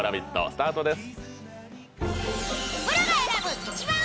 スタートです。